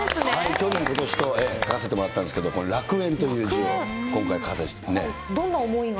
去年、ことしと出させてもらったんですけれども、これ、楽園という字をどんな思いが？